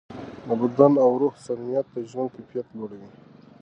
د بدن او روح سالمیت د ژوند کیفیت لوړوي.